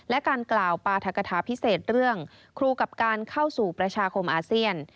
และการกล่าวปราธกฐาพิเศษเรื่องครูกับการเข้าสู่ประชาคมอาเซียน